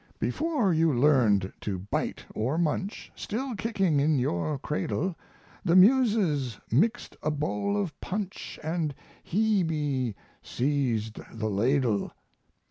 Before you learned to bite or munch, Still kicking in your cradle, The Muses mixed a bowl of punch And Hebe seized the ladle.